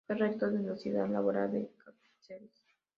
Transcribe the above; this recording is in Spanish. Fue rector de la Universidad Laboral de Cáceres.